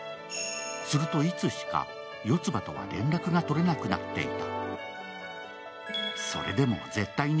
するといつしか四葉とは連絡が取れなくなっていた。